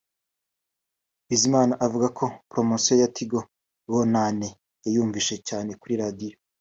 Bizimana avuga ko Poromosiyo ya Tigo Bonane yayunvise cyane kuri radiyo